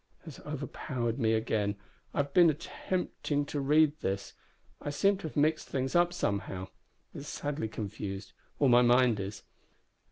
has overpowered me again. I have been attempting to read this. I seem to have mixed things somehow. It is sadly confused or my mind is.